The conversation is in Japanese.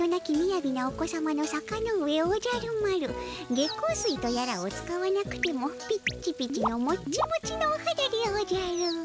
月光水とやらを使わなくてもピッチピチのモッチモチのおはだでおじゃる。